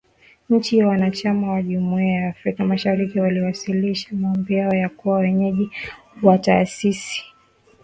Nchi wanachama wa Jumuiya ya Afrika Mashariki waliwasilisha maombi yao ya kuwa mwenyeji wa taasisi hiyo ambayo baadae itapelekea kuwepo Benki Kuu ya kanda.